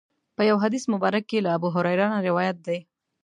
په یو حدیث مبارک کې له ابوهریره نه روایت دی.